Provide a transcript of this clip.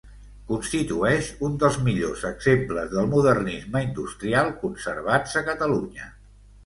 Constitueix un dels millors exemples del modernisme industrial conservats a Catalunya.